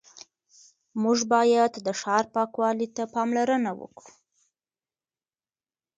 موږ باید د ښار پاکوالي ته پاملرنه وکړو